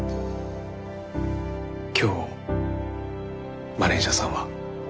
今日マネージャーさんは？